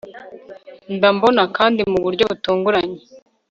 Ndambona kandi mu buryo butunguranye